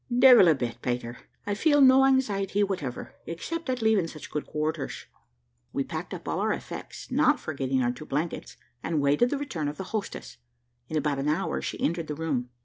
"Devil a bit, Peter; I feel no anxiety whatever, except at leaving such good quarters." We packed up all our effects, not forgetting our two blankets, and waited the return of the hostess. In about an hour she entered the room.